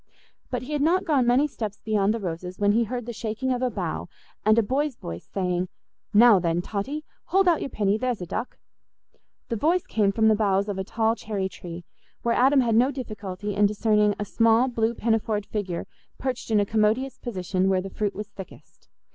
But he had not gone many steps beyond the roses, when he heard the shaking of a bough, and a boy's voice saying, "Now, then, Totty, hold out your pinny—there's a duck." The voice came from the boughs of a tall cherry tree, where Adam had no difficulty in discerning a small blue pinafored figure perched in a commodious position where the fruit was thickest.